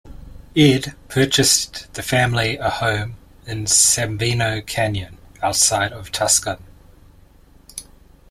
Ed purchased the family a home in Sabino Canyon, outside of Tucson.